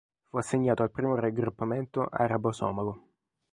Fu assegnato al primo raggruppamento arabo-somalo.